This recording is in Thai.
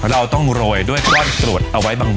เราต้องโรยด้วยก้อนกรวดเอาไว้บาง